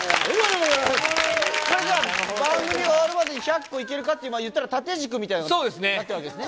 番組終わるまでに１００個いけるかって、いったら、縦軸みたいになってるわけですね。